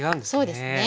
そうですね。